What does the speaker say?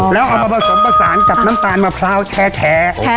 แล้วเอามาผสมผสานกับน้ำตาลมะพร้าวแท้